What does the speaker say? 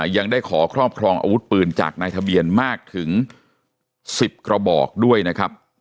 ยังได้ขอครอบครองอาวุธปืนจากนายทะเบียนมากถึง๑๐กระบอกด้วยนะครับ